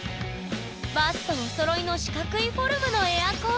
バスとおそろいの四角いフォルムのエアコン。